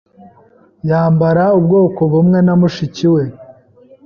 Yambara ubwoko bumwe na mushiki we.